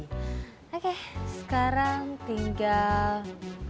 oke sekarang tinggal